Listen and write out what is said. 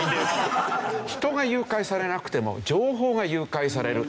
人が誘拐されなくても情報が誘拐される。